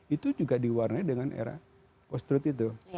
itu juga diwarnain dengan era ostrud itu